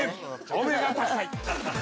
お目が高い！